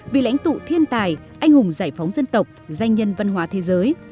vị lãnh tụ thiên tài anh hùng giải phóng dân tộc danh nhân văn hóa thế giới